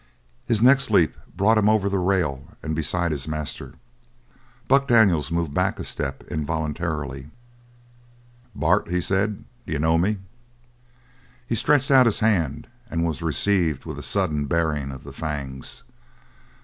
His next leap brought him over the rail and beside his master. Buck Daniels moved back a step involuntarily. "Bart," he said, "d'you know me?" He stretched out his hand; and was received with a sudden baring of the fangs.